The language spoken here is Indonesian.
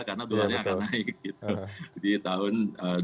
karena duriannya akan naik gitu di tahun dua ribu dua